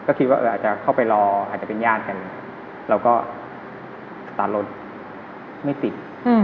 ก็คิดว่าอาจจะเข้าไปรออาจจะเป็นญาติกันเราก็สตาร์ทรถไม่ติด